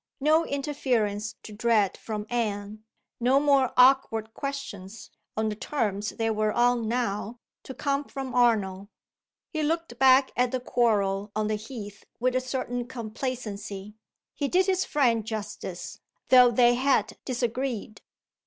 No interference to dread from Anne, no more awkward questions (on the terms they were on now) to come from Arnold. He looked back at the quarrel on the heath with a certain complacency he did his friend justice; though they had disagreed.